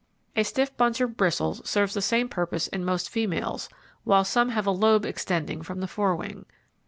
A stiff bunch of bristles serves the same purpose in most females, while some have a lobe extending from the fore wing.